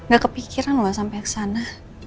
gak kepikiran gak sampai kesana